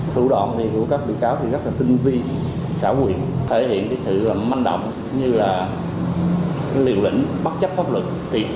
thủ đoạn của các bị cáo thì rất là tinh vi xã quyền thể hiện cái sự manh động như là liều lĩnh bất chấp pháp luật